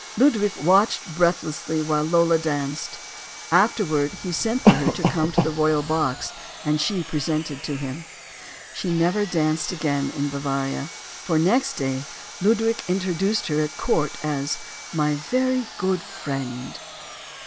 Ludwig watched breathlessly while Lola danced. Afterward he sent for her to come to the royal box and be presented to him. She never danced again in Bavaria. For next day Ludwig introduced her at court as *'my very good friend."